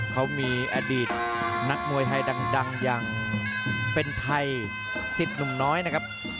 เขามีอดีตนักมวยไทยดังอย่างเป็นไทยสิทธิ์หนุ่มน้อยนะครับ